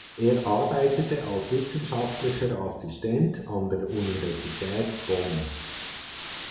Er arbeitete als wissenschaftlicher Assistent an der Universität Bonn.